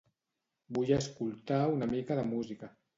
Vull escoltar una mica de música.